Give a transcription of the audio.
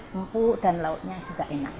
empuk dan lauknya juga enak